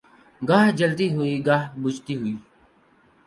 گاہ جلتی ہوئی گاہ بجھتی ہوئی